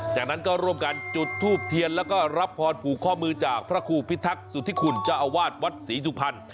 จากนั้นก็ร่วมกันจุดทูปเทียนและก็รับพรภูมิข้อมือจากพระครูพิธักษ์สุธิคุณจ้าวาสวัสดิ์ศรีสุภัณฑ์